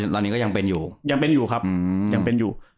ตอนนี้ก็ยังเป็นอยู่ยังเป็นอยู่ครับยังเป็นอยู่